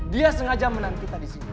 dia sengaja menanti kita disini